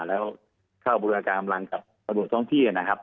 แล้วเข้าบูรการกำลังกับตำรวจท้องที่นะครับ